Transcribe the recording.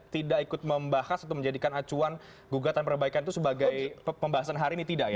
tidak ikut membahas atau menjadikan acuan gugatan perbaikan itu sebagai pembahasan hari ini tidak ya